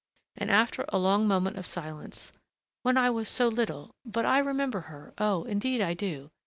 And after a long moment of silence, "When I was so little but I remember her, oh, indeed I do